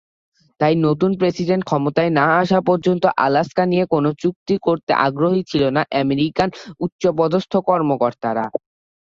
তাই নতুন প্রেসিডেন্ট ক্ষমতায় না আসা পর্যন্ত আলাস্কা নিয়ে কোন চুক্তি করতে আগ্রহী ছিল না আমেরিকান উচ্চপদস্থ কর্মকর্তারা।